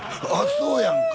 そうやんか！